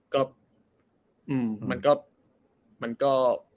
ก็มันก็มันก็